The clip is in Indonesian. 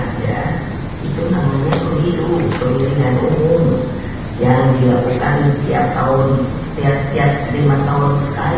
itu namanya pemilu pendidikan umum yang dilakukan tiap tahun tiap tiap lima tahun sekali